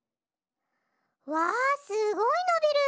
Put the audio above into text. わあすごいのびる！